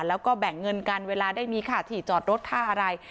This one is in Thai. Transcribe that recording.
แล้วก็แบ่งเงินกันเวลาได้มีค่าที่จอดรถค่าอะไร